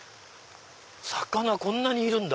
魚こんなにいるんだ。